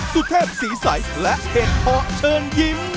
สุดแทบสีใสและเหตุภาพเชิญยิ้ม